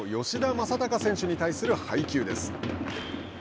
吉田正尚選手に対する配球です。